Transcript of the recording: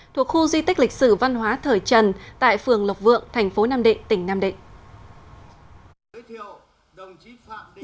thuộc khu di tích lịch sử văn hóa thời trần tại phường lộc vượng thành phố nam định tỉnh nam định